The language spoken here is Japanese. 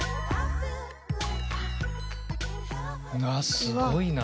すごいな。